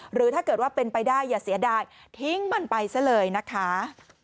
หรือถ้าเกิดว่าเป็นไปได้อย่าเสียดายทิ้งมันไปซะเลยนะคะ